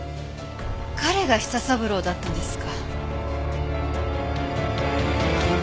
彼が舌三郎だったんですか。